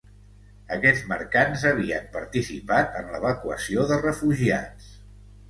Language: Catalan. Aquests mercants havien participat en l'evacuació de refugiats.